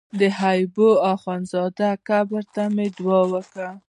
د حبو اخند زاده قبر ته مې دعا وکړه.